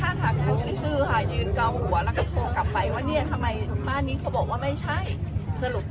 เนื่องกักดงานไปว่าเนี่ยทำไมอันนี้ก็บอกว่าไม่ไหว